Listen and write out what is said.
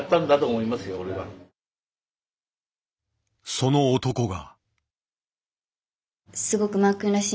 その男が。